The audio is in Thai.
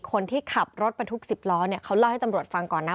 คนที่ขับรถบรรทุก๑๐ล้อเนี่ยเขาเล่าให้ตำรวจฟังก่อนนะ